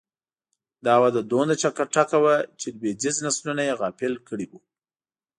دا وده دومره چټکه وه چې لوېدیځ نسلونه یې غافل کړي وو